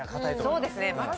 そうですね。